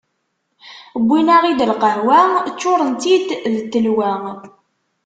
Wwin-aɣ-id lqahwa, ččuren-tt-id d ttelwa.